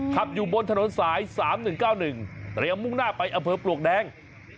ขับอยู่บนถนนสาย๓๑๙๑เตรียมมุ่งหน้าไปอำเภอปลวกแดง